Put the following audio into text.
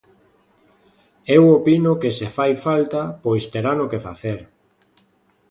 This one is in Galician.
Eu opino que se fai falta, pois terano que facer.